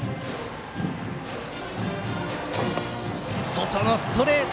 外のストレート！